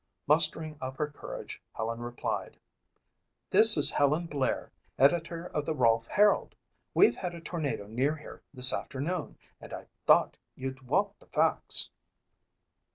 Mustering up her courage, Helen replied, "this is Helen Blair, editor of the Rolfe Herald. We've had a tornado near here this afternoon and I thought you'd want the facts."